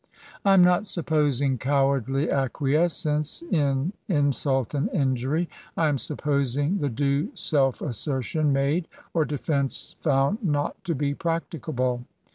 I am not supposing cowardly acquiescence in insult and injury. I am supposing the due self assertion made, or defence found not to be practicable.